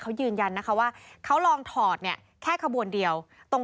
เขายืนยันว่าเขาลองถอดแค่ขบวนเดียว